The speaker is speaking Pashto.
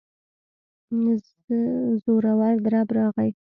زورور درب راغی.